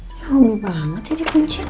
ngomong banget ya di kuncinya